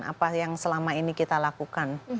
apa yang selama ini kita lakukan